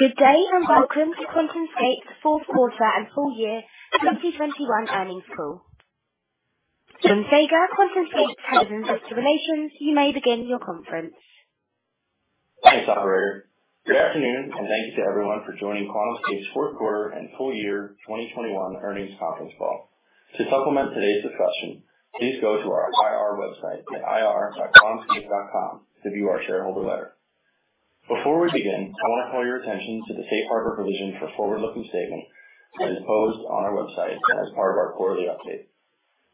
Good day, and welcome to QuantumScape's fourth quarter and full year 2021 earnings call. John Saager, QuantumScape's President of Investor Relations, you may begin your conference. Thanks, operator. Good afternoon, and thank you to everyone for joining QuantumScape's fourth quarter and full year 2021 earnings conference call. To supplement today's discussion, please go to our IR website at ir.quantumscape.com to view our shareholder letter. Before we begin, I wanna call your attention to the safe harbor provision for forward-looking statements that is posted on our website and as part of our quarterly update.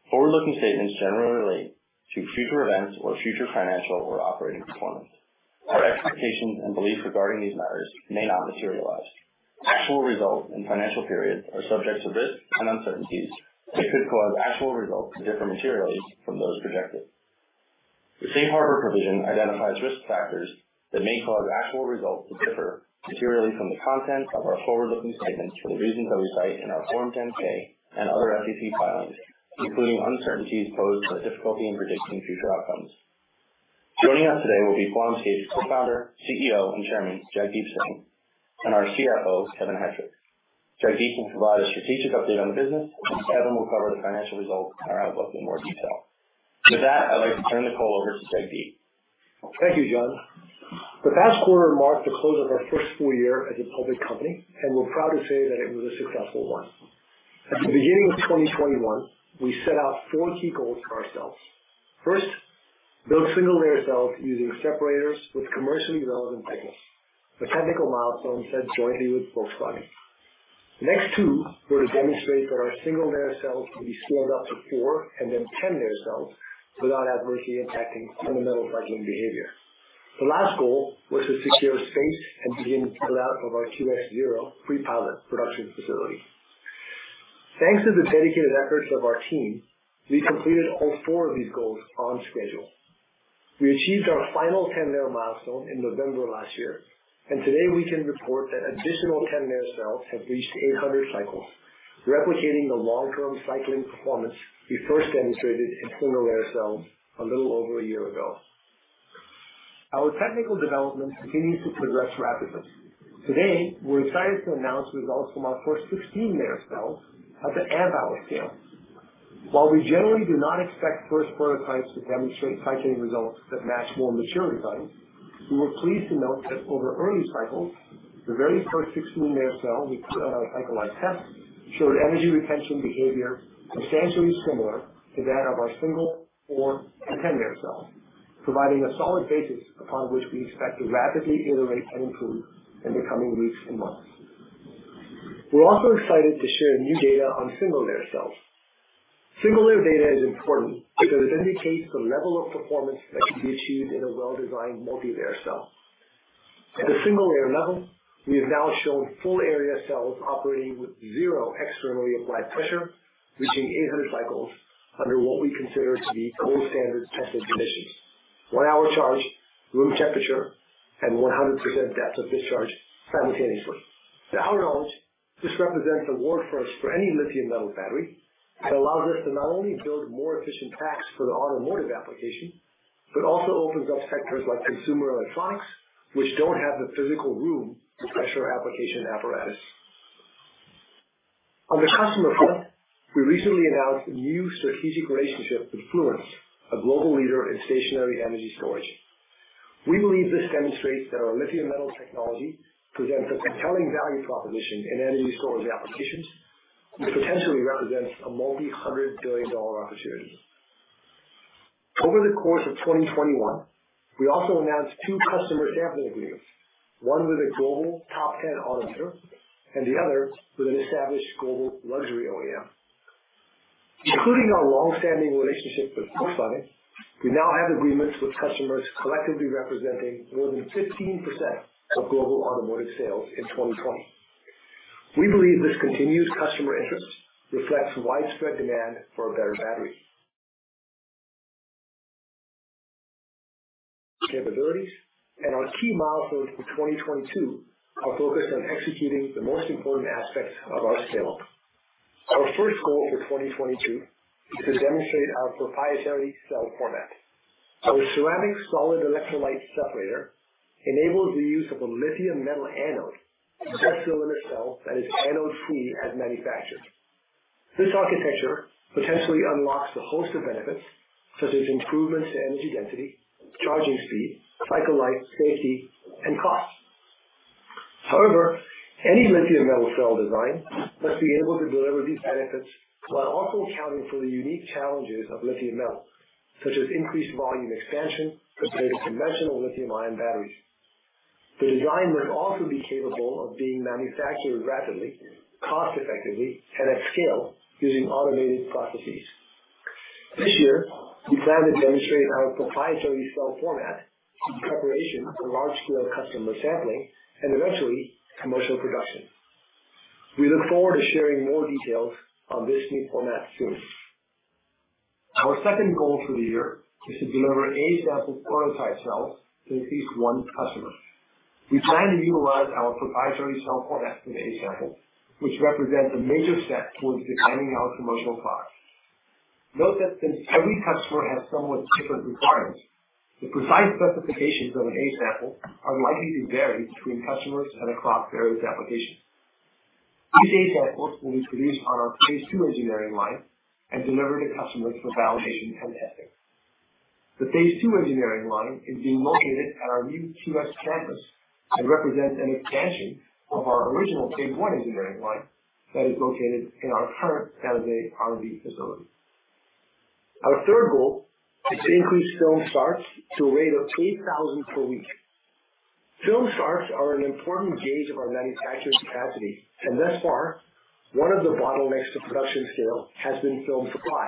Forward-looking statements generally relate to future events or future financial or operating performance. Our expectations and beliefs regarding these matters may not materialize. Actual results in financial periods are subject to risks and uncertainties that could cause actual results to differ materially from those projected. The safe harbor provision identifies risk factors that may cause actual results to differ materially from the content of our forward-looking statements for the reasons that we cite in our Form 10-K and other SEC filings, including uncertainties posed by the difficulty in predicting future outcomes. Joining us today will be QuantumScape's Co-founder, CEO, and Chairman, Jagdeep Singh, and our CFO, Kevin Hettrich. Jagdeep will provide a strategic update on the business, and Kevin will cover the financial results in more detail. With that, I'd like to turn the call over to Jagdeep. Thank you, John. The past quarter marked the close of our first full year as a public company, and we're proud to say that it was a successful one. At the beginning of 2021, we set out four key goals for ourselves. First, build single-layer cells using separators with commercially relevant thickness, a technical milestone set jointly with Volkswagen. The next two were to demonstrate that our single-layer cells can be scaled up to four and then 10-layer cells without adversely impacting fundamental cycling behavior. The last goal was to secure space and begin the build-out of our QS-0 pre-pilot production facility. Thanks to the dedicated efforts of our team, we completed all four of these goals on schedule. We achieved our final 10-layer milestone in November last year, and today we can report that additional 10-layer cells have reached 800 cycles, replicating the long-term cycling performance we first demonstrated in single-layer cells a little over a year ago. Our technical development continues to progress rapidly. Today, we're excited to announce results from our first 16-layer cells at the amp-hour scale. While we generally do not expect first prototypes to demonstrate cycling results that match more mature designs, we were pleased to note that over early cycles, the very first 16-layer cell we put on our cycle life test showed energy retention behavior substantially similar to that of our single, four, and 10-layer cells, providing a solid basis upon which we expect to rapidly iterate and improve in the coming weeks and months. We're also excited to share new data on single-layer cells. Single-layer data is important because it indicates the level of performance that can be achieved in a well-designed multi-layer cell. At the single-layer level, we have now shown full area cells operating with 0 externally applied pressure, reaching 800 cycles under what we consider to be gold standard testing conditions, 1-hour charge, room temperature, and 100% depth of discharge simultaneously. To our knowledge, this represents a world first for any lithium metal battery that allows us to not only build more efficient packs for the automotive application, but also opens up sectors like consumer electronics, which don't have the physical room for pressure application apparatus. On the customer front, we recently announced a new strategic relationship with Fluence, a global leader in stationary energy storage. We believe this demonstrates that our lithium metal technology presents a compelling value proposition in energy storage applications, which potentially represents a multi-hundred-billion-dollar opportunity. Over the course of 2021, we also announced two customer sampling agreements, one with a global top-10 automaker and the other with an established global luxury OEM. Including our long-standing relationship with Volkswagen, we now have agreements with customers collectively representing more than 15% of global automotive sales in 2020. We believe this continued customer interest reflects widespread demand for a better battery capabilities and our key milestones for 2022 are focused on executing the most important aspects of our scale-up. Our first goal for 2022 is to demonstrate our proprietary cell format. Our ceramic solid-electrolyte separator enables the use of a lithium-metal anode that's still in a cell that is anode-free at manufacture. This architecture potentially unlocks a host of benefits such as improvements in energy density, charging speed, cycle life, safety, and cost. However, any lithium metal cell design must be able to deliver these benefits while also accounting for the unique challenges of lithium metal, such as increased volume expansion compared to conventional lithium-ion batteries. The design must also be capable of being manufactured rapidly, cost effectively, and at scale using automated processes. This year, we plan to demonstrate our proprietary cell format in preparation for large-scale customer sampling and eventually commercial production. We look forward to sharing more details on this new format soon. Our second goal for the year is to deliver A-sample prototype cells to at least one customer. We plan to utilize our proprietary cell format for the A-sample, which represents a major step towards designing our commercial product. Note that since every customer has somewhat different requirements, the precise specifications of an A-sample are likely to vary between customers and across various applications. These A-samples will be produced on our phase two engineering line and delivered to customers for validation and testing. The phase two engineering line is being located at our new QS campus and represents an expansion of our original phase one engineering line that is located in our current San Jose R&D facility. Our third goal is to increase film starts to a rate of 8,000 per week. Film starts are an important gauge of our manufacturing capacity, and thus far, one of the bottlenecks to production scale has been film supply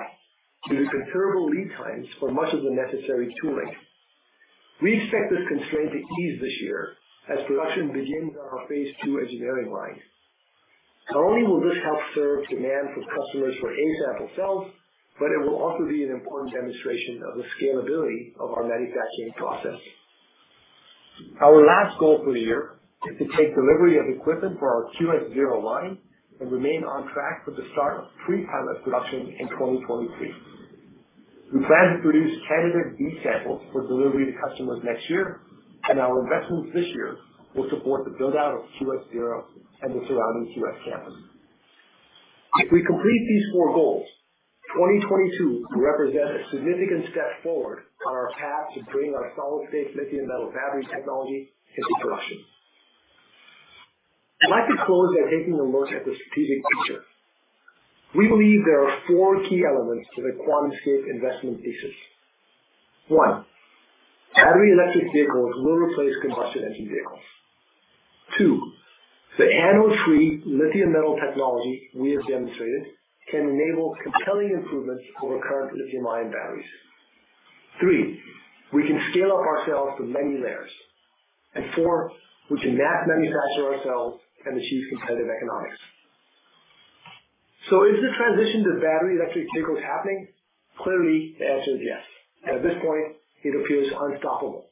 due to considerable lead times for much of the necessary tooling. We expect this constraint to ease this year as production begins on our phase two engineering line. Not only will this help serve demand from customers for A-sample cells, but it will also be an important demonstration of the scalability of our manufacturing process. Our last goal for the year is to take delivery of equipment for our QS-0 line and remain on track for the start of pre-pilot production in 2023. We plan to produce candidate B-samples for delivery to customers next year, and our investments this year will support the build-out of QS-0 and the surrounding QS campus. If we complete these four goals, 2022 will represent a significant step forward on our path to bring our solid-state lithium metal battery technology into production. I'd like to close by taking a look at the strategic picture. We believe there are four key elements to the QuantumScape investment thesis. One, battery electric vehicles will replace combustion engine vehicles. Two, the anode-free lithium metal technology we have demonstrated can enable compelling improvements over current lithium-ion batteries. Three, we can scale up our cells to many layers. And four, we can mass manufacture our cells and achieve competitive economics. Is the transition to battery electric vehicles happening? Clearly, the answer is yes. At this point, it appears unstoppable.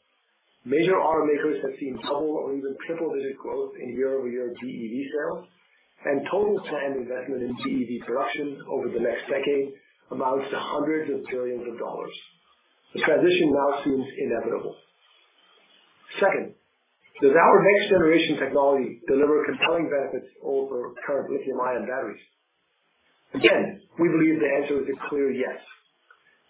Major automakers have seen double- or even triple-digit growth in year-over-year BEV sales, and total planned investment in BEV production over the next decade amounts to $hundreds of billions. This transition now seems inevitable. Second, does our next-generation technology deliver compelling benefits over current lithium-ion batteries? Again, we believe the answer is a clear yes.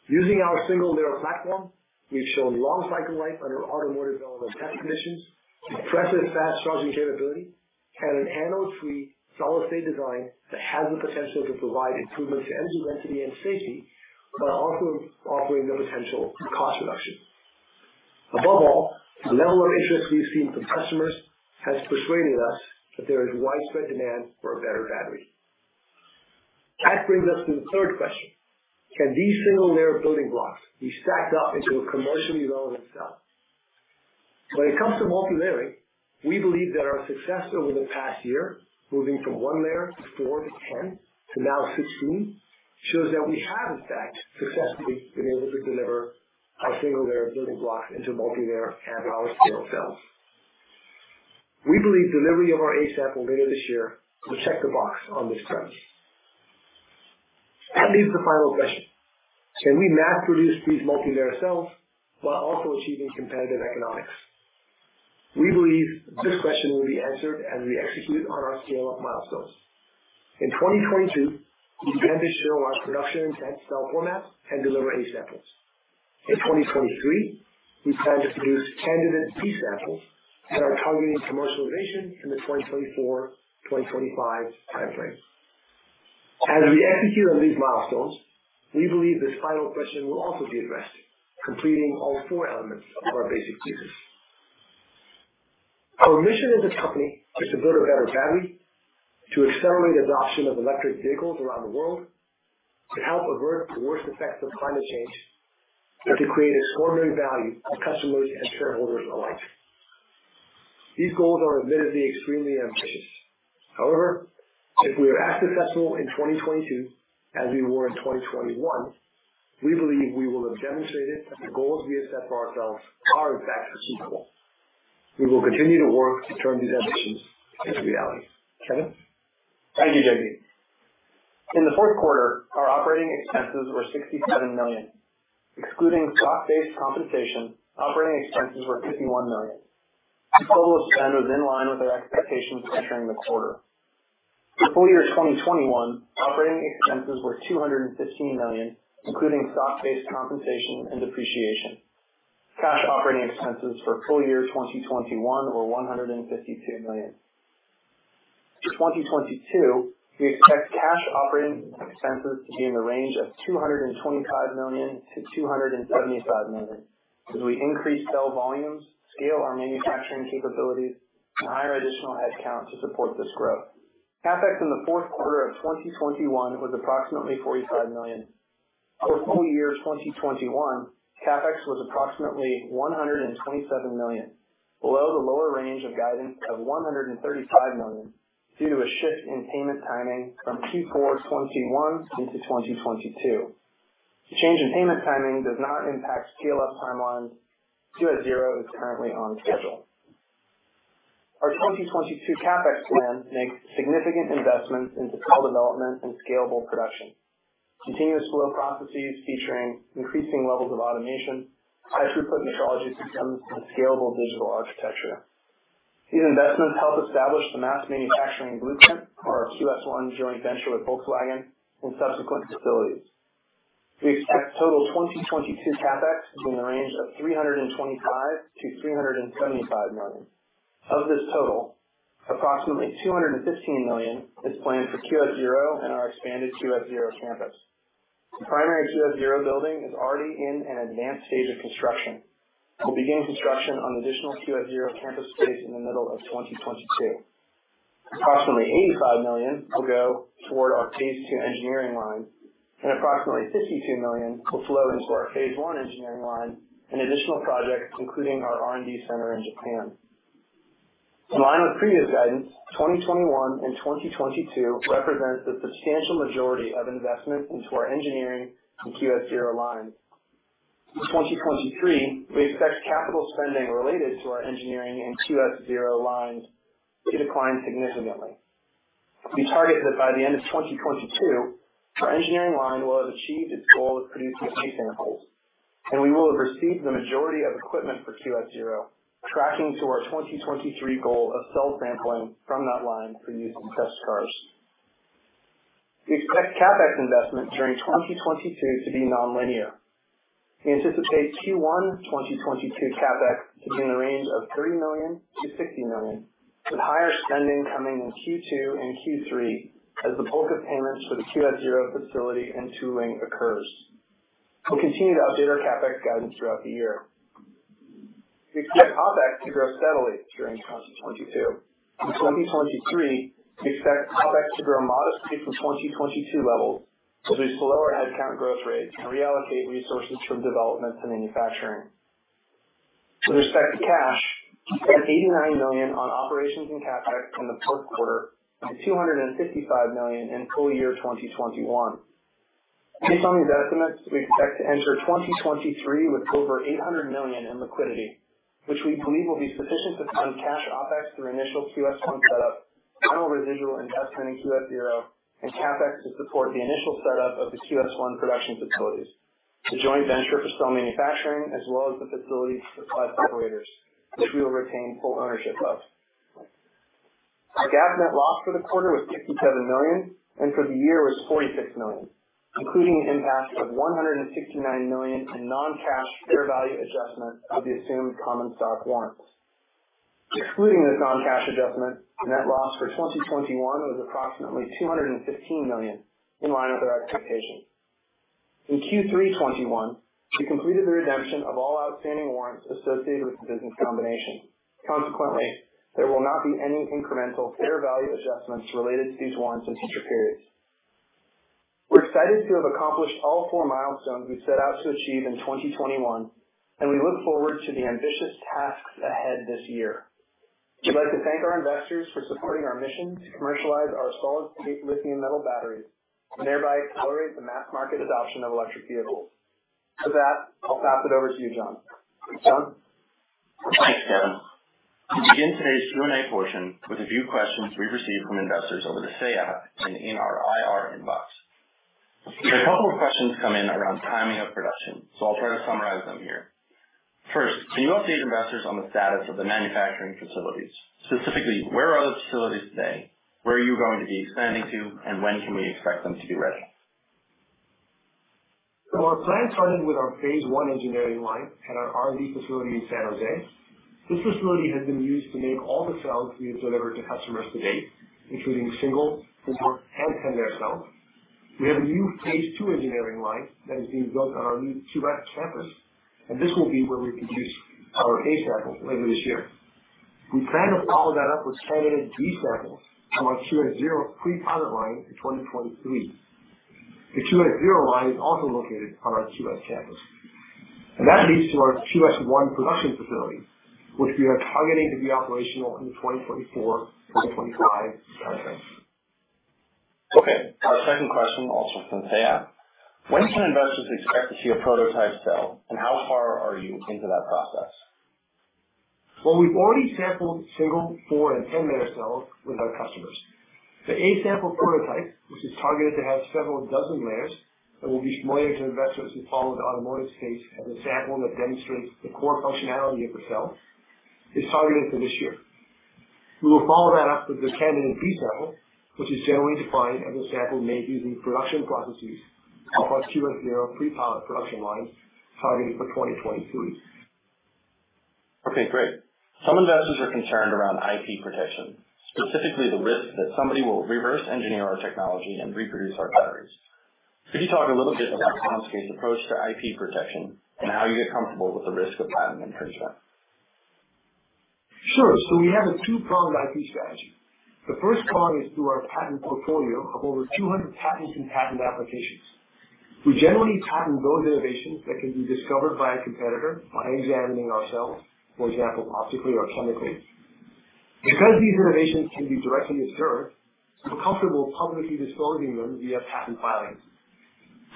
Using our single-layer platform, we've shown long cycle life under automotive relevant test conditions, impressive fast charging capability, and an anode-free solid-state design that has the potential to provide improvements to energy density and safety, while also offering the potential for cost reduction. Above all, the level of interest we've seen from customers has persuaded us that there is widespread demand for a better battery. That brings us to the third question: Can these single-layer building blocks be stacked up into a commercially relevant cell? When it comes to multi-layering, we believe that our success over the past year, moving from one layer to four to 10 to now 16, shows that we have in fact successfully been able to deliver our single-layer building blocks into multi-layer anode-free scale cells. We believe delivery of our A-sample later this year will check the box on this front. That leaves the final question. Can we mass-produce these multi-layer cells while also achieving competitive economics? We believe this question will be answered as we execute on our scale-up milestones. In 2022, we plan to show our production cell format and deliver A-samples. In 2023, we plan to produce candidate B-samples that are targeting commercialization in the 2024, 2025 timeframe. As we execute on these milestones, we believe this final question will also be addressed, completing all four elements of our basic thesis. Our mission as a company is to build a better battery, to accelerate adoption of electric vehicles around the world, to help avert the worst effects of climate change, and to create extraordinary value for customers and shareholders alike. These goals are admittedly extremely ambitious. However, if we are as successful in 2022 as we were in 2021, we believe we will have demonstrated that the goals we have set for ourselves are, in fact, achievable. We will continue to work to turn these ambitions into reality. Kevin? Thank you, J.S. In the fourth quarter, our operating expenses were $67 million. Excluding stock-based compensation, operating expenses were $51 million. This total spend was in line with our expectations entering the quarter. For full year 2021, operating expenses were $215 million, including stock-based compensation and depreciation. Cash operating expenses for full year 2021 were $152 million. For 2022, we expect cash operating expenses to be in the range of $225 million-$275 million as we increase cell volumes, scale our manufacturing capabilities, and hire additional headcount to support this growth. CapEx in the fourth quarter of 2021 was approximately $45 million. For full year 2021, CapEx was approximately $127 million, below the lower range of guidance of $135 million due to a shift in payment timing from Q4 2021 into 2022. The change in payment timing does not impact scale-up timelines. QS-0 is currently on schedule. Our 2022 CapEx plan makes significant investments into cell development and scalable production, continuous flow processes featuring increasing levels of automation, high throughput metrology systems, and scalable digital architecture. These investments help establish the mass manufacturing blueprint for our QS-1 joint venture with Volkswagen in subsequent facilities. We expect total 2022 CapEx between the range of $325 million-$375 million. Of this total, approximately $215 million is planned for QS-0 and our expanded QS-0 campus. The primary QS-0 building is already in an advanced stage of construction. We'll begin construction on additional QS-0 campus space in the middle of 2022. Approximately $85 million will go toward our phase two engineering lines, and approximately $52 million will flow into our phase one engineering line and additional projects, including our R&D center in Japan. In line with previous guidance, 2021 and 2022 represent the substantial majority of investment into our engineering and QS-0 lines. In 2023, we expect capital spending related to our engineering and QS-0 lines to decline significantly. We target that by the end of 2022, our engineering line will have achieved its goal of producing A-samples, and we will have received the majority of equipment for QS-0, tracking to our 2023 goal of cell sampling from that line for use in test cars. We expect CapEx investment during 2022 to be nonlinear. We anticipate Q1 2022 CapEx between the range of $30 million-$60 million, with higher spending coming in Q2 and Q3 as the bulk of payments for the QS-0 facility and tooling occurs. We'll continue to update our CapEx guidance throughout the year. We expect OpEx to grow steadily during 2022. In 2023, we expect OpEx to grow modestly from 2022 levels as we slow our headcount growth rate and reallocate resources from development to manufacturing. With respect to cash, we spent $89 million on operations and CapEx in the fourth quarter and $255 million in full year 2021. Based on these estimates, we expect to enter 2023 with over $800 million in liquidity, which we believe will be sufficient to fund cash OpEx through initial QS-1 setup, final residual investment in QS-0, and CapEx to support the initial setup of the QS-1 production facilities, the joint venture for cell manufacturing, as well as the facilities for cell operators, which we will retain full ownership of. Our GAAP net loss for the quarter was $67 million and for the year was $46 million, including an impact of $169 million in non-cash fair value adjustment of the assumed common stock warrants. Excluding this non-cash adjustment, the net loss for 2021 was approximately $215 million, in line with our expectations. In Q3 2021, we completed the redemption of all outstanding warrants associated with the business combination. Consequently, there will not be any incremental fair value adjustments related to these warrants in future periods. We're excited to have accomplished all four milestones we set out to achieve in 2021, and we look forward to the ambitious tasks ahead this year. We'd like to thank our investors for supporting our mission to commercialize our solid-state lithium-metal batteries and thereby accelerate the mass market adoption of electric vehicles. With that, I'll pass it over to you, John. John? Thanks, Kevin. We begin today's Q&A portion with a few questions we've received from investors over the Say and in our IR inbox. We had a couple of questions come in around timing of production, so I'll try to summarize them here. First, can you update investors on the status of the manufacturing facilities? Specifically, where are the facilities today, where are you going to be expanding to, and when can we expect them to be ready? Well, our plan started with our phase one engineering line at our R&D facility in San Jose. This facility has been used to make all the cells we have delivered to customers to date, including single, 4, and 10 layer cells. We have a new phase two engineering line that is being built on our new QS campus, and this will be where we produce our A-samples later this year. We plan to follow that up with 10 A- and B-samples from our QS-0 pre-pilot line in 2023. The QS-0 line is also located on our QS campus. That leads to our QS-1 production facility, which we are targeting to be operational in the 2024/2025 timeframe. Okay. Our second question, also from Say. When can investors expect to see a prototype cell, and how far are you into that process? Well, we've already sampled single, 4, and 10 layer cells with our customers. The A-sample prototype, which is targeted to have several dozen layers and will be familiar to investors who follow the automotive space as a sample that demonstrates the core functionality of the cell, is targeted for this year. We will follow that up with the candidate B-sample, which is generally defined as a sample made using production processes of our QS-0 pre-pilot production lines targeted for 2023. Okay, great. Some investors are concerned around IP protection, specifically the risk that somebody will reverse engineer our technology and reproduce our batteries. Could you talk a little bit about QuantumScape's approach to IP protection and how you get comfortable with the risk of patent infringement? Sure. We have a two-pronged IP strategy. The first prong is through our patent portfolio of over 200 patents and patent applications. We generally patent those innovations that can be discovered by a competitor by examining our cells, for example, optically or chemically. Because these innovations can be directly observed, we're comfortable publicly disclosing them via patent filings.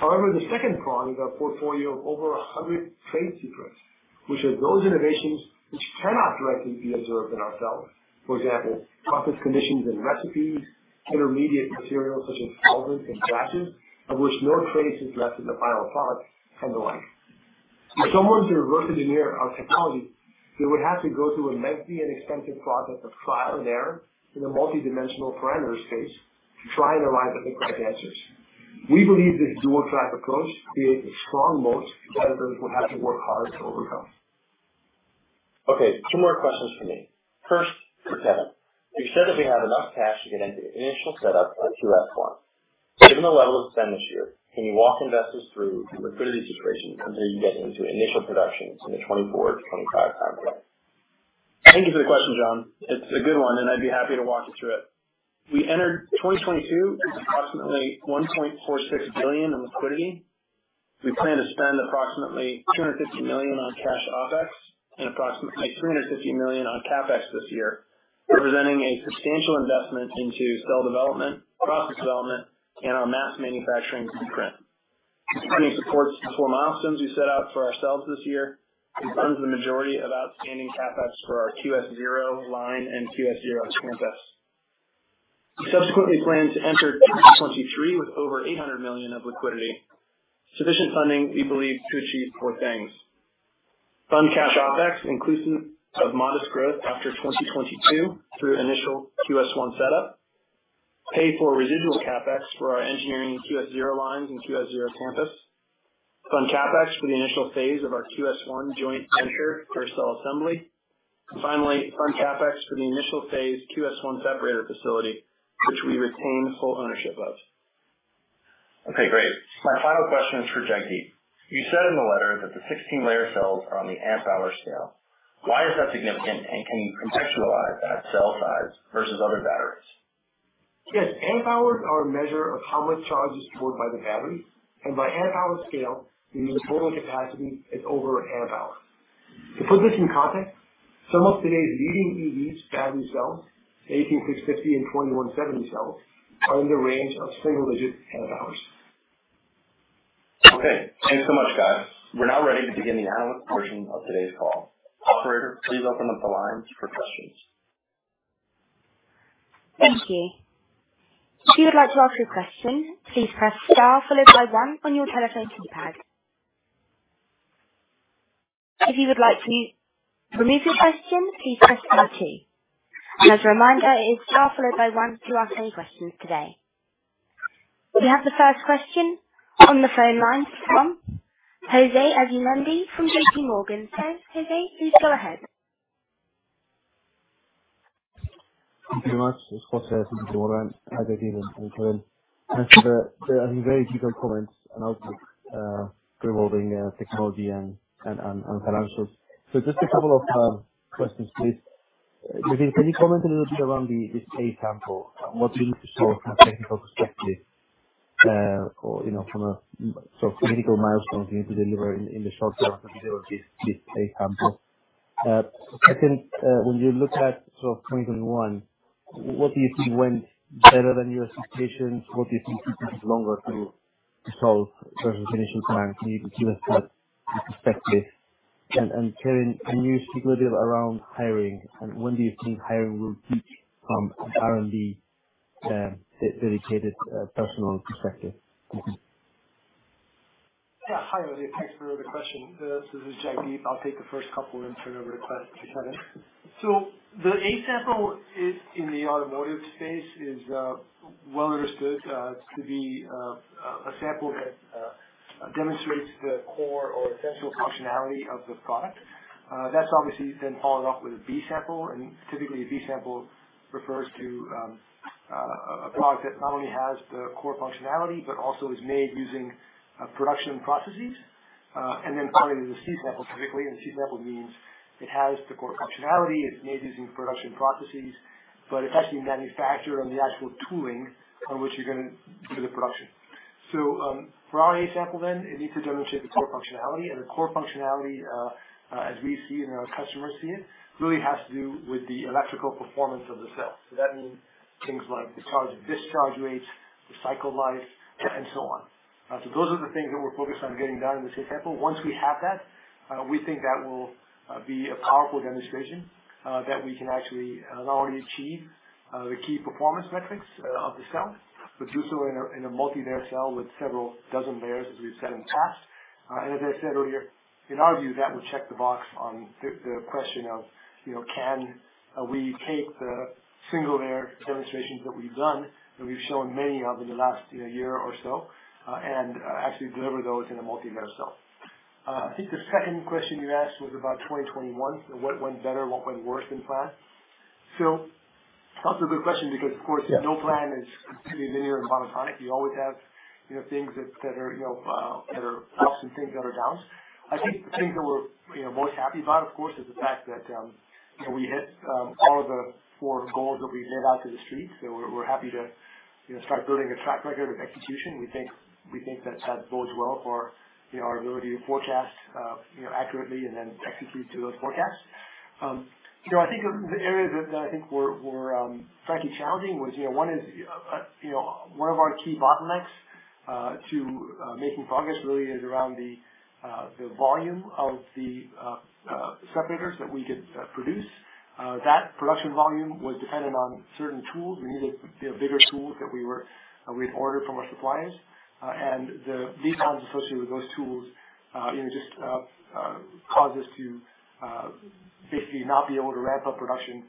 However, the second prong is our portfolio of over 100 trade secrets, which are those innovations which cannot directly be observed in ourselves. For example, process conditions and recipes, intermediate materials such as powders and dashes of which no trace is left in the final product and the like. For someone to reverse engineer our technology, they would have to go through a lengthy and expensive process of trial and error in a multi-dimensional parameter space to try and arrive at the correct answers. We believe this dual track approach creates a strong moat competitors would have to work hard to overcome. Okay, two more questions for me. First, for Kevin. You said that we have enough cash to get into the initial setup on QS one. Given the level of spend this year, can you walk investors through the liquidity situation until you get into initial production in the 2024-2025 time frame? Thank you for the question, John. It's a good one, and I'd be happy to walk you through it. We entered 2022 with approximately $1.46 billion in liquidity. We plan to spend approximately $250 million on cash OpEx and approximately $350 million on CapEx this year, representing a substantial investment into cell development, process development and our mass manufacturing footprint. Funding supports the milestones we set out for ourselves this year and funds the majority of outstanding CapEx for our QS-0 line and QS-0 campus. We subsequently plan to enter 2023 with over $800 million of liquidity. Sufficient funding, we believe, to achieve four things. Fund cash OpEx, inclusive of modest growth after 2022 through initial QS-1 setup, pay for residual CapEx for our engineering QS-0 lines and QS-0 campus, fund CapEx for the initial phase of our QS-1 joint venture for cell assembly. Finally, fund CapEx for the initial phase QS-1 separator facility, which we retain full ownership of. Okay, great. My final question is for Jagdeep. You said in the letter that the 16-layer cells are on the amp-hour scale. Why is that significant? And can you contextualize that cell size versus other batteries? Yes. Amp hours are a measure of how much charge is stored by the battery. By amp hour scale, we mean the total capacity is over amp hours. To put this in context, some of today's leading EV battery cells, 18650 and 2170 cells, are in the range of single-digit amp hours. Okay. Thanks so much, guys. We're now ready to begin the analyst portion of today's call. Operator, please open up the lines for questions. We have the first question on the phone lines from Jose Asumendi from J.P. Morgan. So Jose, please go ahead. Thank you very much. It's José Asumendi, J.P. Morgan. Hi, Jagdeep and Kevin. Thank you for the, I think, very detailed comments and outlook regarding technology and financials. Just a couple of questions, please. Jagdeep, can you comment a little bit around the A-sample and what it means to us from a technical perspective, or, you know, from a sort of critical milestones you need to deliver in the short term to deliver this A-sample. Second, when you look at sort of 2021, what do you think went better than your expectations? What do you think took much longer to solve versus initial plans needed from a perspective? Kevin, can you speak a little bit around hiring and when do you think hiring will peak from an R&D dedicated personnel perspective? Thanks. Yeah, hi José. Thanks for the question. This is Jagdeep. I'll take the first couple and turn it over to Kevin. The A-sample in the automotive space is well understood to be a sample that demonstrates the core or essential functionality of the product. That's obviously then followed up with a B-sample. Typically a B-sample refers to a product that not only has the core functionality, but also is made using production processes. Then finally the C-sample, typically. The C-sample means it has the core functionality. It's made using production processes, but it's actually manufactured on the actual tooling on which you're gonna do the production. For our A-sample then, it needs to demonstrate the core functionality. The core functionality, as we see and our customers see it, really has to do with the electrical performance of the cell. That means things like discharge rates, the cycle life and so on. Those are the things that we're focused on getting done in this A-sample. Once we have that, we think that will be a powerful demonstration that we can actually not only achieve the key performance metrics of the cell, but do so in a multi-layer cell with several dozen layers, as we've said in the past. As I said earlier, in our view, that would check the box on the question of, you know, can we take the single layer demonstrations that we've done, that we've shown many of in the last, you know, year or so, and actually deliver those in a multi-layer cell. I think the second question you asked was about 2021. What went better? What went worse than planned? That's a good question because, of course, no plan is completely linear and monotonic. You always have, you know, things that are, you know, that are ups and things that are downs. I think the things that we're, you know, most happy about, of course, is the fact that, you know, we hit all of the four goals that we laid out to the street. We're happy to, you know, start building a track record of execution. We think that bodes well for, you know, our ability to forecast, you know, accurately and then execute to those forecasts. I think the areas that I think were frankly challenging was, you know, one is one of our key bottlenecks to making progress really is around the the volume of the cell makers that we could produce. That production volume was dependent on certain tools. We needed, you know, bigger tools that we had ordered from our suppliers. The lead times associated with those tools, you know, just caused us to basically not be able to ramp up production,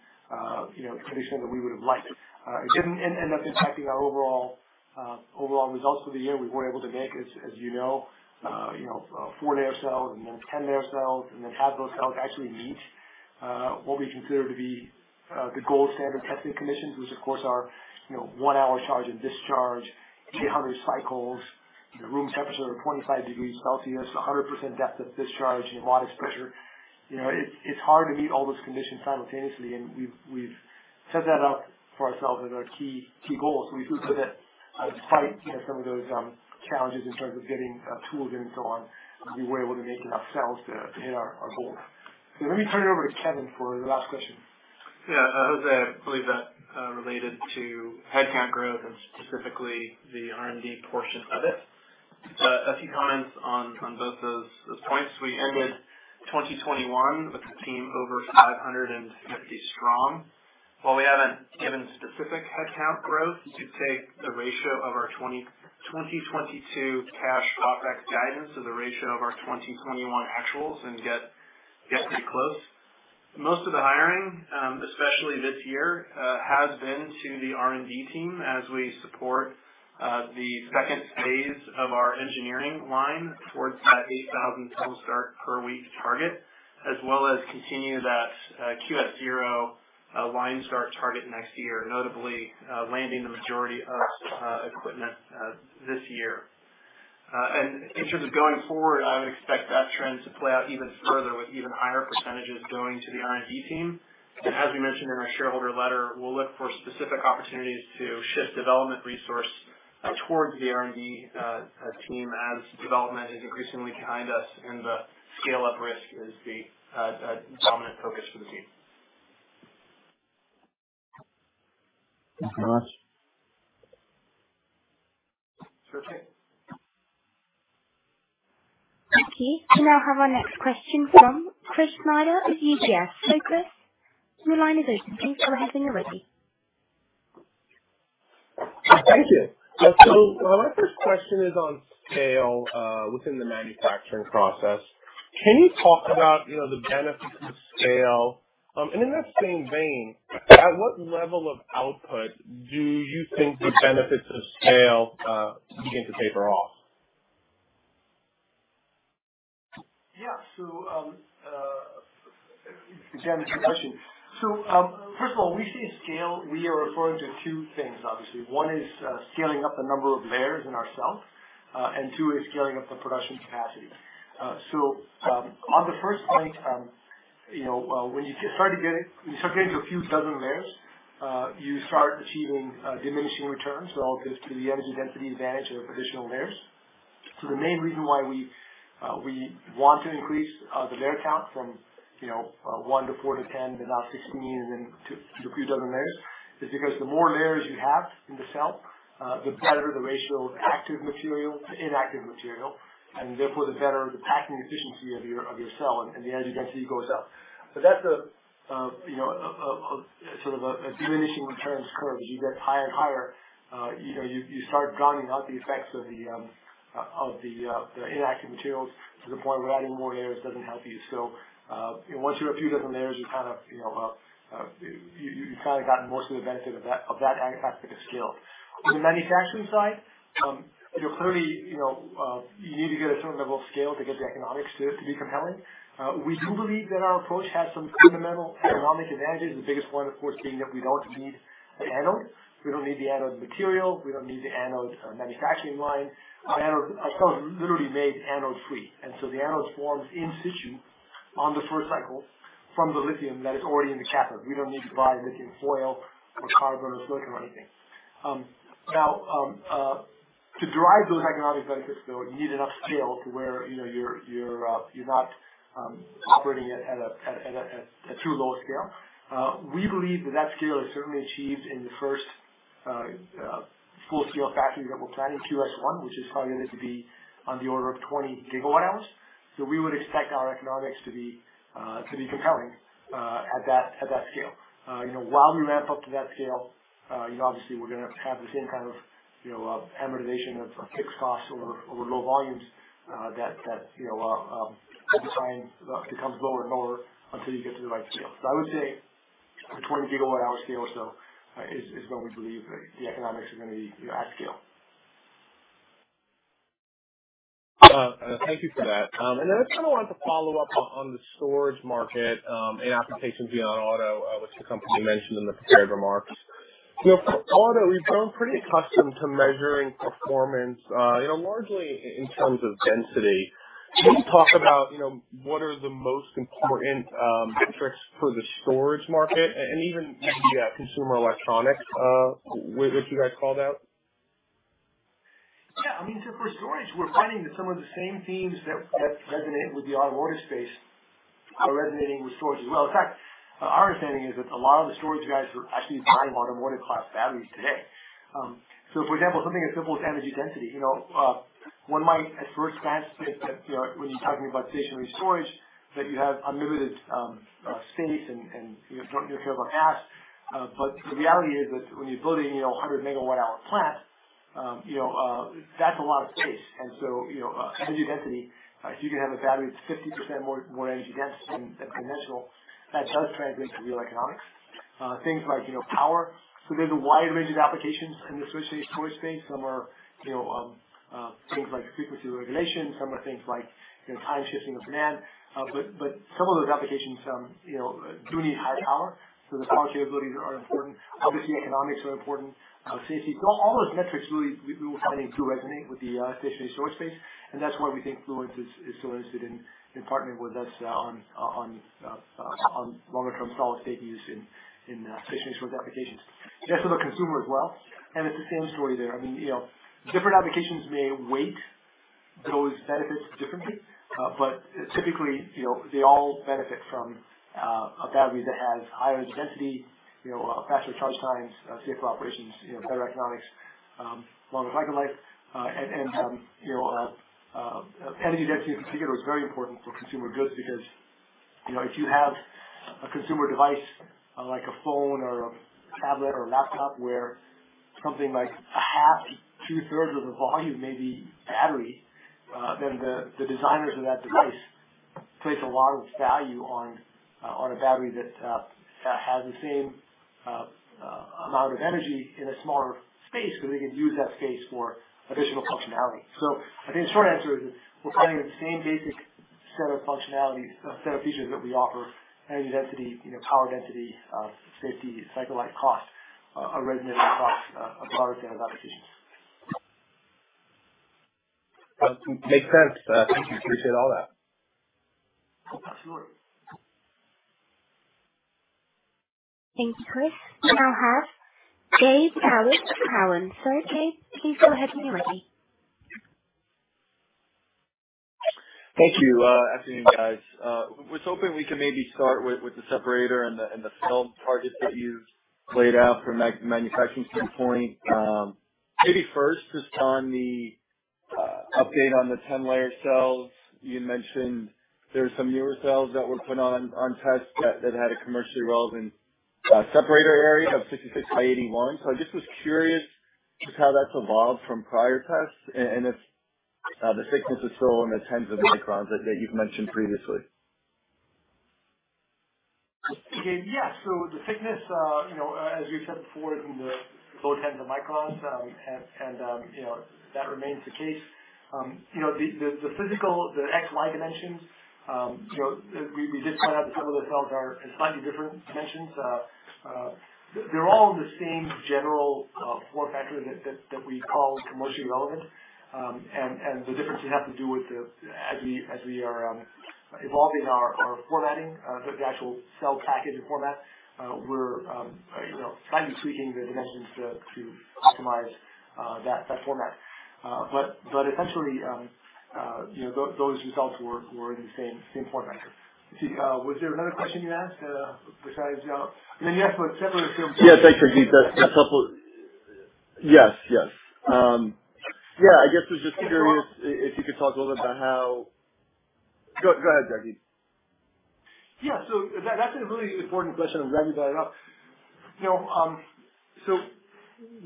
you know, at the condition that we would have liked. It didn't end up impacting our overall results for the year. We were able to make, as you know, four-layer cells and then ten-layer cells and then have those cells actually meet what we consider to be the gold standard testing conditions, which of course are one-hour charge and discharge, 800 cycles, room temperature of 25 degrees Celsius, 100% depth of discharge and modest pressure. You know, it's hard to meet all those conditions simultaneously. We've set that up for ourselves as our key goal. We're pleased with it. Despite, you know, some of those challenges in terms of getting tools in and so on, we were able to make enough cells to hit our goal. Let me turn it over to Kevin for the last question. Yeah. Jose, I believe that related to headcount growth and specifically the R&D portion of it. A few comments on both those points. We ended 2021 with the team over 550 strong. While we haven't given specific headcount growth, you could take the ratio of our 2022 cash CapEx guidance to the ratio of our 2021 actuals and get pretty close. Most of the hiring, especially this year, has been to the R&D team as we support the second phase of our engineering line towards that 8,000 cell start per week target, as well as continue that QS-0 line start target next year, notably landing the majority of equipment this year. In terms of going forward, I would expect that trend to play out even further with even higher percentages going to the R&D team. As we mentioned in our shareholder letter, we'll look for specific opportunities to shift development resource towards the R&D team as development is increasingly behind us and the scale-up risk is the dominant focus for the team. Thank you very much. Sure thing. Okay. We now have our next question from Chris Snyder of UBS. Chris, your line is open. Please go ahead when you're ready. Thank you. My first question is on scale within the manufacturing process. Can you talk about, you know, the benefits of scale? And in that same vein, at what level of output do you think the benefits of scale begin to taper off? Yeah, again, good question. First of all, when we say scale, we are referring to two things, obviously. One is scaling up the number of layers in our cell, and two is scaling up the production capacity. On the first point, you know, when you start getting to a few dozen layers, you start achieving diminishing returns relative to the energy density advantage of additional layers. The main reason why we want to increase the layer count from one to four to 10 to now 16 and then to a few dozen layers is because the more layers you have in the cell, the better the ratio of active material to inactive material, and therefore the better the packing efficiency of your cell and the energy density goes up. That's a sort of diminishing returns curve. As you get higher and higher, you start drowning out the effects of the inactive materials to the point where adding more layers doesn't help you. You know, once you have a few dozen layers, you kind of, you know, you've kind of gotten most of the benefit of that, of that aspect of scale. On the manufacturing side, you know, clearly, you know, you need to get a certain level of scale to get the economics to be compelling. We do believe that our approach has some fundamental economic advantages. The biggest one, of course, being that we don't need the anode. We don't need the anode material, we don't need the anode manufacturing line. Our cell is literally made anode-free. The anodes forms in-situ on the first cycle from the lithium that is already in the cathode. We don't need to buy lithium foil or carbon or silicon or anything. To drive those economics benefits, though, you need enough scale to where, you know, you're not operating at too low a scale. We believe that scale is certainly achieved in the first full-scale factory that we're planning, QS-1, which is targeted to be on the order of 20 GW-hours. We would expect our economics to be compelling at that scale. You know, while we ramp up to that scale, you know, obviously we're gonna have to have the same kind of, you know, amortization of fixed costs over low volumes, that, you know, over time becomes lower and lower until you get to the right scale. I would say the 20 GW-hour scale or so is where we believe the economics are gonna be the right scale. Thank you for that. I kind of wanted to follow up on the storage market and applications beyond auto, which the company mentioned in the prepared remarks. You know, for auto, we've grown pretty accustomed to measuring performance, you know, largely in terms of density. Can you talk about, you know, what are the most important metrics for the storage market and even maybe consumer electronics, which you guys called out? I mean, for storage, we're finding that some of the same themes that resonate with the automotive space are resonating with storage as well. In fact, our understanding is that a lot of the storage guys are actually buying automotive class batteries today. For example, something as simple as energy density, one might at first glance say that when you're talking about stationary storage, that you have unlimited space and you don't care about cost. But the reality is that when you're building a 100-MW-hour plant, that's a lot of space. Energy density, if you can have a battery that's 50% more energy dense than conventional, that does translate to real economics. Things like power. There's a wide range of applications in the associated storage space. Some are, you know, things like frequency regulation. Some are things like, you know, time shifting of demand. Some of those applications, you know, do need high power. The power capabilities are important. Obviously, economics are important. Safety. All those metrics really we were finding do resonate with the stationary storage space, and that's why we think Fluence is so interested in partnering with us on longer term solid-state use in stationary storage applications. Yeah. The consumer as well, and it's the same story there. I mean, you know, different applications may weigh those benefits differently. Typically, you know, they all benefit from a battery that has higher energy density, you know, faster charge times, safer operations, you know, better economics, longer cycle life. Energy density in particular is very important for consumer goods because, you know, if you have a consumer device like a phone or a tablet or a laptop where something like half, two-thirds of the volume may be battery, then the designers of that device place a lot of its value on a battery that has the same amount of energy in a smaller space so they can use that space for additional functionality. I think the short answer is we're finding that the same basic set of functionality, set of features that we offer, energy density, you know, power density, safety, cycle life, cost are resonating across a range of applications. Makes sense. Thank you. I appreciate all that. Sure. Thank you, Chris. We now have Gabe Daoud. Gabe, please go ahead when you're ready. Thank you. Afternoon, guys. I was hoping we can maybe start with the separator and the film targets that you've laid out from a manufacturing standpoint. Maybe first, just on the update on the 10-layer cells. You mentioned there are some newer cells that were put on test that had a commercially relevant separator area of 66 by 81. I just was curious just how that's evolved from prior tests and if the thickness is still in the tens of microns as you've mentioned previously. Yeah. The thickness, you know, as we've said before is in the low tens of microns. You know, that remains the case. You know, the physical XY dimensions, you know, we did point out that some of the cells are in slightly different dimensions. They're all in the same general form factor that we call commercially relevant. The difference would have to do with as we are evolving our formatting, the actual cell package and format, we're, you know, slightly tweaking the dimensions to optimize that format. Essentially, those results were the same form factor. Excuse me. Was there another question you asked, besides, you know? I mean, yes, but separately from- Yes, actually, that's helpful. Yes. Yes. Yeah. I guess I was just curious if you could talk a little bit about how. Go ahead, Jagdeep. That that's a really important question, and Randy brought it up. You know,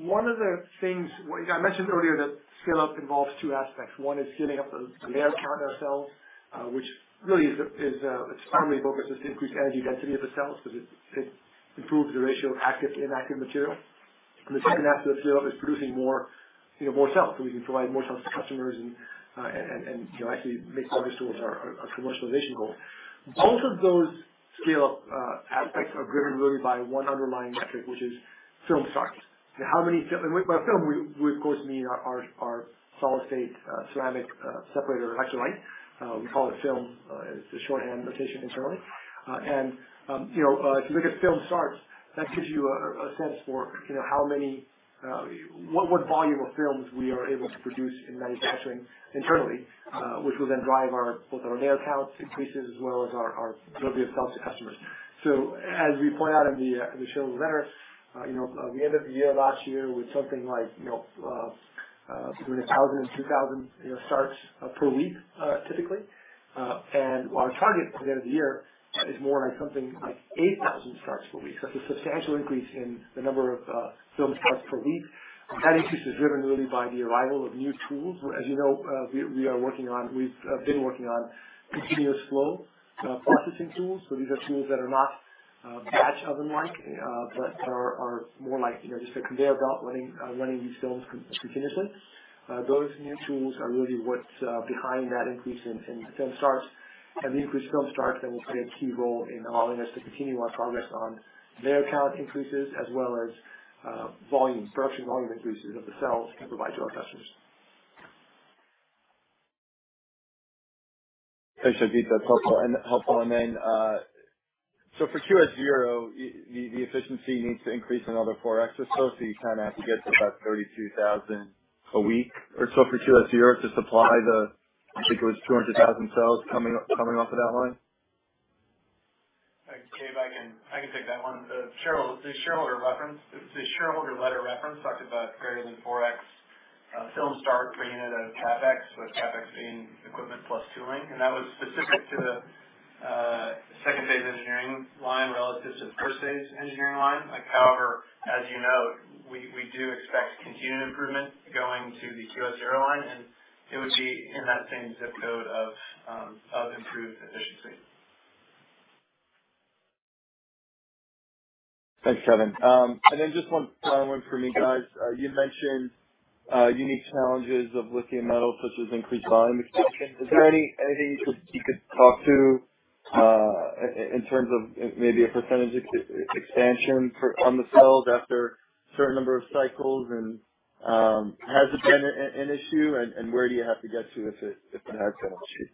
one of the things what I mentioned earlier, that scale-up involves two aspects. One is scaling up the layer count of the cells, which really is its primary focus is to increase energy density of the cells 'cause it improves the ratio of active to inactive material. The second aspect of scale-up is producing more, you know, more cells, so we can provide more cells to customers and you know, actually make progress towards our commercialization goal. Both of those scale aspects are driven really by one underlying metric, which is film starts. By film, we of course mean our solid-state ceramic separator electrolyte. We call it film as the shorthand notation internally. You know, if you look at film starts, that gives you a sense for you know, how many what volume of films we are able to produce in manufacturing internally, which will then drive our both our layer counts increases as well as our delivery of cells to customers. As we point out in the shareholder letter, you know, at the end of the year, last year with something like you know between 1,000 and 2,000 starts per week typically. Our target for the end of the year is more like something like 8,000 starts per week. That's a substantial increase in the number of film starts per week. That increase is driven really by the arrival of new tools. As you know, we've been working on continuous flow processing tools. These are tools that are not batch oven like, but are more like, you know, just a conveyor belt running these films continuously. Those new tools are really what's behind that increase in film starts. The increased film starts then will play a key role in allowing us to continue our progress on layer count increases as well as volume, production volume increases of the cells we can provide to our customers. Thanks, Jag. That's helpful. For QS-0, the efficiency needs to increase another 4x or so. You kinda have to get to about 32,000 a week or so for QS-0 to supply the, I think it was 200,000 cells coming off of that line. Thanks, Gabe. I can take that one. The shareholder letter reference talked about greater than 4x film start per unit of CapEx. CapEx being equipment plus tooling, and that was specific to the second phase engineering line relative to the first phase engineering line. However, as you note, we do expect continued improvement going to the QS-0 line, and it would be in that same zip code of improved efficiency. Thanks, Kevin. Just one final one for me, guys. You mentioned unique challenges of lithium metal, such as increased volume expansion. Is there anything you could talk to in terms of maybe a percentage expansion for on the cells after a certain number of cycles? Has it been an issue? Where do you have to get to if it has been an issue?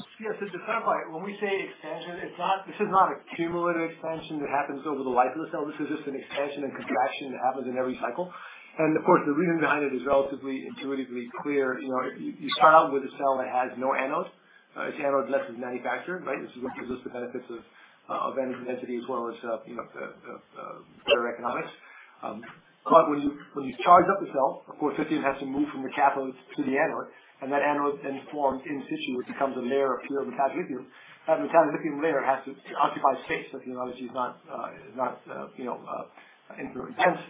To clarify, when we say expansion, it's not a cumulative expansion that happens over the life of the cell. This is just an expansion and contraction that happens in every cycle. Of course, the reason behind it is relatively intuitively clear. You know, you start out with a cell that has no anode. Its anode is not manufactured, right. This is what gives us the benefits of energy density as well as the better economics. But when you charge up the cell, of course, lithium has to move from the cathodes to the anode, and that anode then forms in-situ, which becomes a layer of pure metallic lithium. That metallic lithium layer has to occupy space. The technology is not, you know, incredibly dense,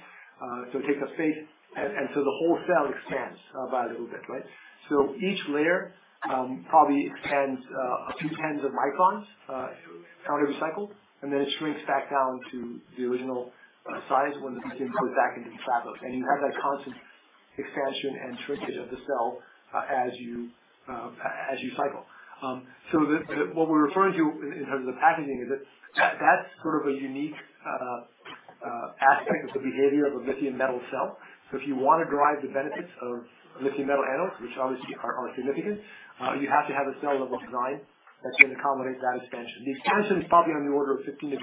so it takes up space. The whole cell expands by a little bit, right. Each layer probably expands a few tens of microns out of the cycle, and then it shrinks back down to the original size when the lithium goes back into the cathodes. You have that constant expansion and shrinkage of the cell as you cycle. What we're referring to in terms of the packaging is that that's sort of a unique aspect of the behavior of a lithium metal cell. If you want to derive the benefits of lithium metal anodes, which obviously are significant, you have to have a cell level design that can accommodate that expansion. The expansion is probably on the order of 15%-20%,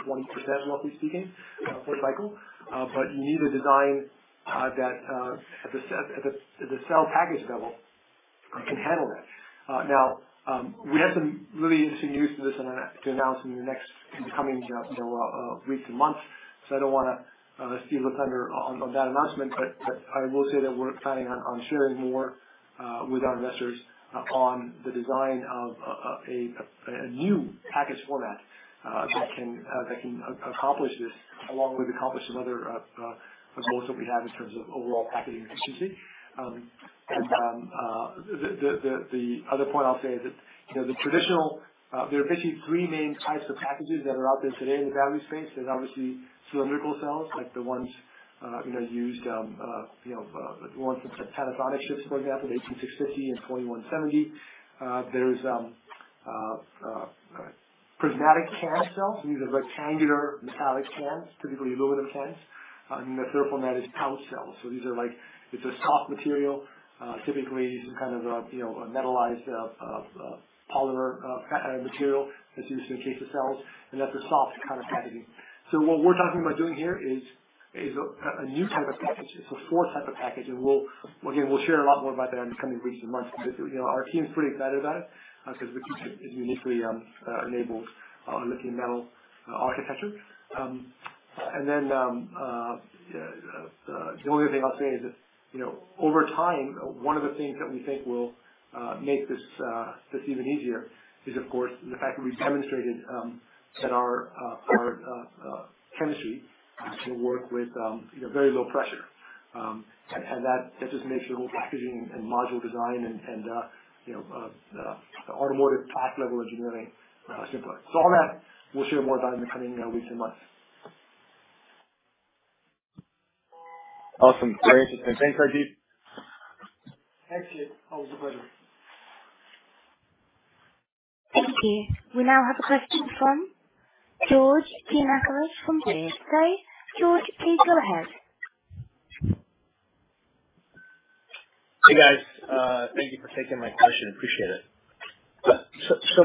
roughly speaking, per cycle. You need a design that at the cell package level can handle that. Now, we have some really interesting news for this and to announce in the next coming weeks and months, you know. I don't wanna steal the thunder on that announcement. I will say that we're planning on sharing more with our investors on the design of a new package format that can accommodate this and accomplish some other goals that we have in terms of overall packaging efficiency. The other point I'll say is that, you know, the traditional, there are basically three main types of packages that are out there today in the value space. There's obviously cylindrical cells like the ones, you know, used, like the ones that Panasonic ships, for example, the 18650 and 2170. There's prismatic can cells. These are rectangular metallic cans, typically aluminum cans. The third one that is pouch cells. These are like it's a soft material, typically some kind of, you know, a metallized, polymer, material that's used to encase the cells, and that's a soft kind of packaging. What we're talking about doing here is a new type of package. It's a fourth type of package. We'll again share a lot more about that in the coming weeks and months. You know, our team is pretty excited about it because we think it uniquely enables our lithium metal architecture. Then the only other thing I'll say is that, you know, over time, one of the things that we think will make this even easier is, of course, the fact that we've demonstrated that our chemistry can work with, you know, very low pressure. And that just makes the whole packaging and module design and the automotive pack level engineering simpler. All that we'll share more about in the coming weeks and months. Awesome. Very interesting. Thanks, Ajit. Thanks, Jagdeep Singh. Thank you. We now have a question from George Gianarikas from Baird. George, please go ahead. Hey, guys. Thank you for taking my question. Appreciate it.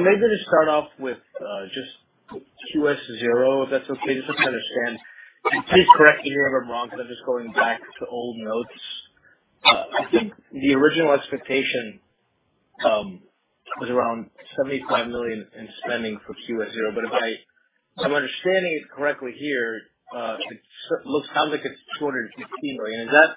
Maybe just start off with just QS zero, if that's okay. Just to understand and please correct me if I'm wrong, because I'm just going back to old notes. I think the original expectation was around $75 million in spending for QS zero. If I'm understanding it correctly here, it looks, sounds like it's $215 million. Is that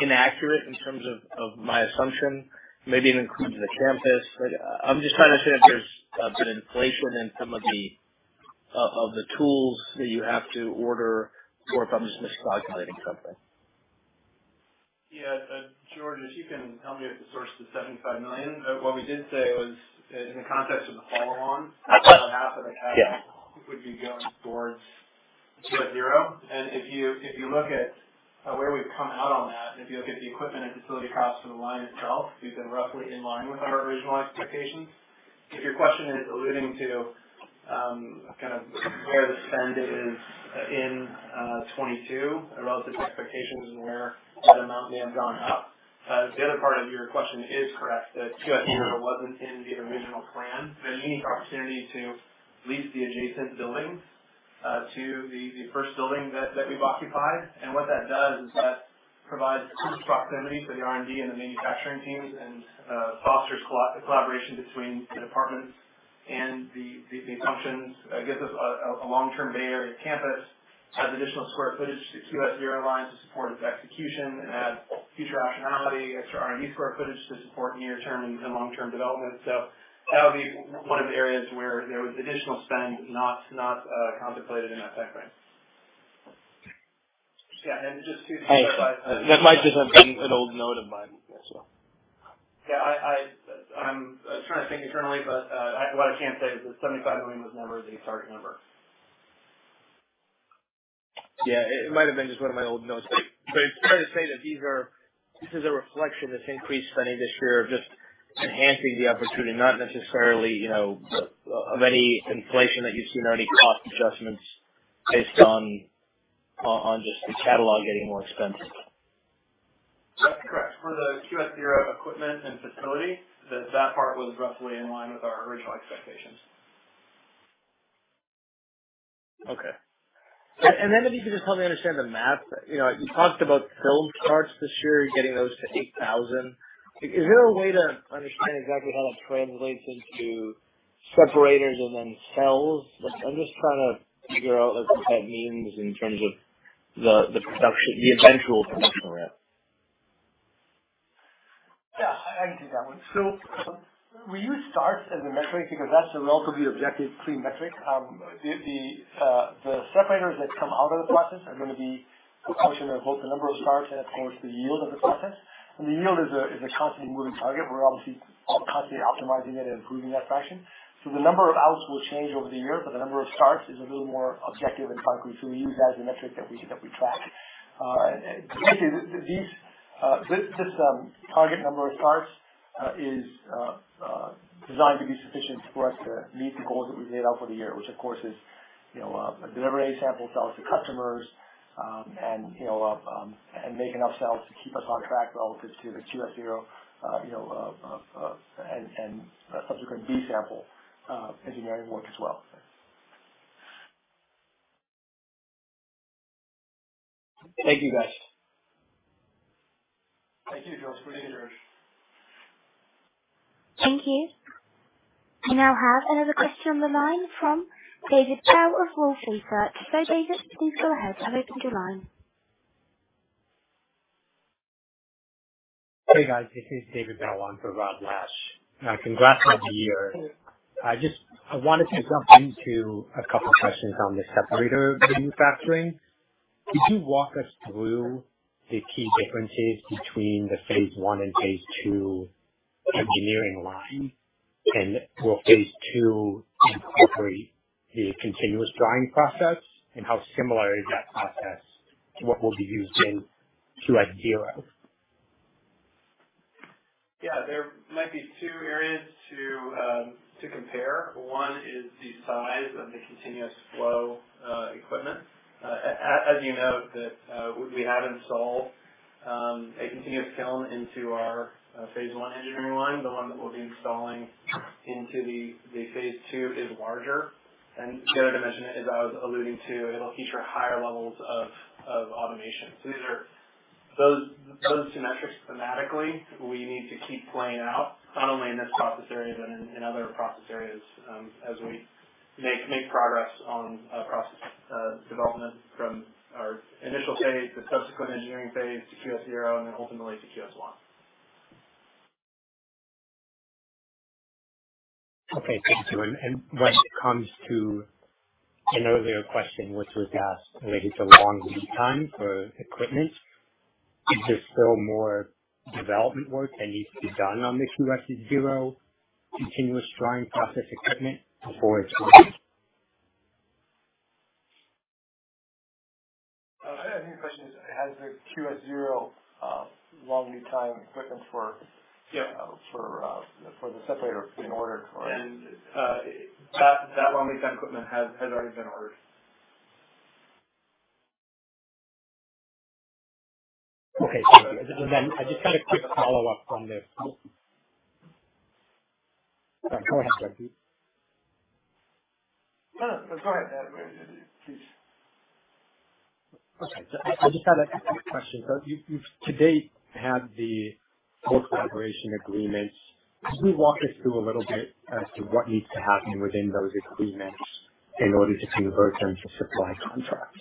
inaccurate in terms of my assumption? Maybe it includes the campus, but I'm just trying to understand if there's a bit inflation in some of the tools that you have to order, or if I'm just miscalculating something. Yeah, George, if you can tell me if the gross is $75 million. What we did say was in the context of the follow-on, more than half of the capital- Yeah. would be going towards QS-0. If you look at where we've come out on that, and if you look at the equipment and facility costs for the line itself, we've been roughly in line with our original expectations. Your question is alluding to kind of where the spend is in 2022 relative to expectations and where that amount may have gone up. The other part of your question is correct, that QS-0 wasn't in the original plan. The unique opportunity to lease the adjacent building adjacent to the first building that we've occupied. What that does is that provides close proximity for the R&D and the manufacturing teams and fosters collaboration between the departments and the teams. It gives us a long-term Bay Area campus, adds additional square footage to QS-0 line to support its execution and add future optionality, extra R&D square footage to support near-term and long-term development. That would be one of the areas where there was additional spend, not contemplated in that deck range. Yeah. Just to be clear- That might just have been an old note of mine as well. Yeah, I'm trying to think internally, but what I can say is that $75 million was never the target number. Yeah, it might have been just one of my old notes. Fair to say that these are, this is a reflection, this increased spending this year of just enhancing the opportunity, not necessarily, you know, of any inflation that you've seen or any cost adjustments based on on just the catalog getting more expensive. That's correct. For the QS-0 equipment and facility, that part was roughly in line with our original expectations. Okay. If you could just help me understand the math. You know, you talked about build starts this year. You're getting those to 8,000. Is there a way to understand exactly how that translates into separators and then cells? Like, I'm just trying to figure out, like, what that means in terms of the production, the eventual production ramp. Yeah, I can take that one. We use starts as a metric because that's a relatively objective, clean metric. The separators that come out of the process are gonna be a function of both the number of starts and of course, the yield of the process. The yield is a constantly moving target. We're obviously constantly optimizing it and improving that fraction. The number of outs will change over the year, but the number of starts is a little more objective and concrete, so we use that as a metric that we track. Basically, this target number of starts is designed to be sufficient for us to meet the goals that we've laid out for the year, which of course, you know, deliver A-sample cells to customers, and you know, make enough cells to keep us on track relative to the QS-0, you know, and subsequent B-sample engineering work as well. Thank you, guys. Thank you, Josh. Good to hear. Thank you. We now have another question on the line from David Bao of Wolfe Research. David, please go ahead. I've opened your line. Hey, guys, this is David Bao on for Rod Lache. Congrats on the year. I wanted to jump into a couple questions on the separator manufacturing. Could you walk us through the key differences between the phase one and phase two engineering line? Will phase two incorporate the continuous drying process? How similar is that process to what will be used in QS-0? Yeah, there might be two areas to compare. One is the size of the continuous flow equipment. As you note that we have installed a continuous kiln into our phase one engineering line. The one that we'll be installing into the phase two is larger. The other dimension, as I was alluding to, it'll feature higher levels of automation. These are those two metrics thematically, we need to keep playing out, not only in this process area, but in other process areas, as we make progress on process development from our initial phase, the subsequent engineering phase to QS-0 and then ultimately to QS-1. Okay, thank you. When it comes to an earlier question which was asked related to long lead time for equipment, is there still more development work that needs to be done on the QS-0 continuous drying process equipment before it's released? If I may, the question is, has the QS-0 long lead time equipment for? Yeah. For the separator been ordered or- That long lead time equipment has already been ordered. Okay. I just had a quick follow-up. Sorry, go ahead, Jeff. No, no. Go ahead, David. Please. Okay. I just had a quick question. You've to date had the co-development agreements. Could you walk us through a little bit as to what needs to happen within those agreements in order to convert them to supply contracts?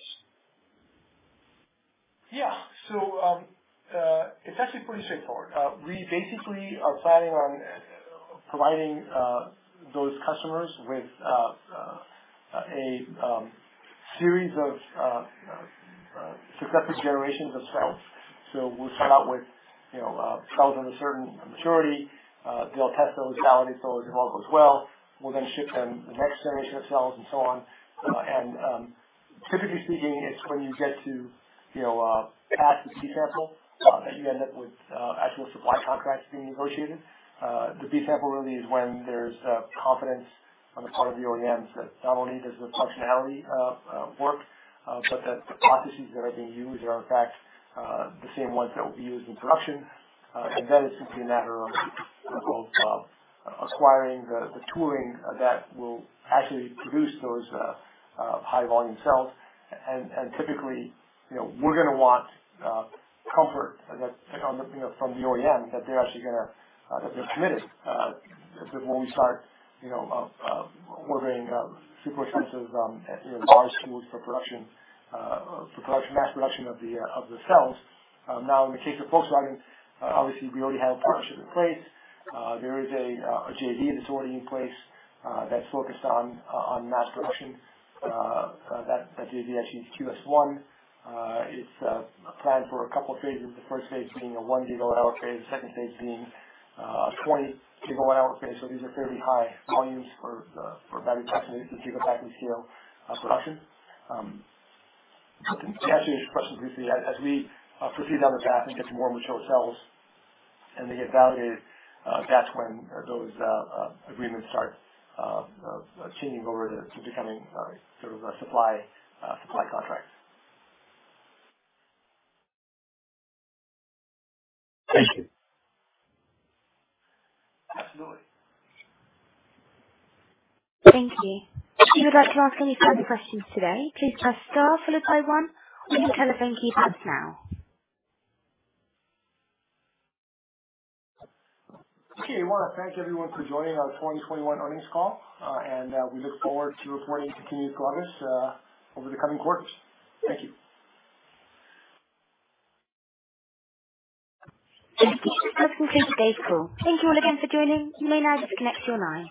Yeah, it's actually pretty straightforward. We basically are planning on providing those customers with a series of successive generations of cells. We'll start out with, you know, cells of a certain maturity. They'll test those cells. If all goes well, we'll then ship them the next generation of cells and so on. Typically speaking, it's when you get to, you know, past the B-sample that you end up with actual supply contracts being negotiated. The B-sample really is when there's confidence on the part of the OEMs that not only does the functionality work, but that the processes that are being used are in fact the same ones that will be used in production. It's simply a matter of acquiring the tooling that will actually produce those high volume cells. Typically, you know, we're gonna want comfort, you know, from the OEM that they're committed when we start, you know, ordering super expensive, you know, large tools for production, mass production of the cells. Now in the case of Volkswagen, obviously we already have a partnership in place. There is a JV that's already in place, that's focused on mass production. That JV actually is QS-1. It's planned for a couple of phases, the first phase being a 1 GW-hour phase, the second phase being a 20 GW-hour phase. These are fairly high volumes for the battery pack GW-hour scale production. To answer your question briefly, as we proceed down the path and get to more mature cells and they get validated, that's when those agreements start changing over to becoming sort of a supply contract. Thank you. Absolutely. Thank you. If you would like to ask any further questions today, please press star followed by one or you can tell the phone keyboards now. Okay. I wanna thank everyone for joining our 2021 earnings call, and we look forward to reporting to you in August over the coming quarters. Thank you. That concludes today's call. Thank you all again for joining. You may now disconnect your line.